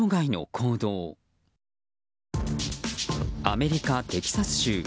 アメリカ・テキサス州。